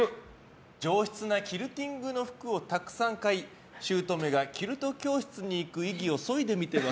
上質なキルティングな服をたくさん買い姑がキルト教室に行く意味をそいでみては？